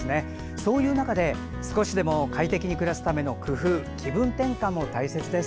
そういう中で、少しでも快適に暮らすための工夫、気分転換も大切です。